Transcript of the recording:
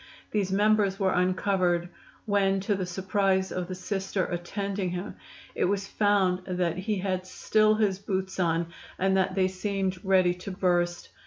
These members were uncovered, when, to the surprise of the Sister attending him, it was found that he had still his boots on and that they seemed ready to burst.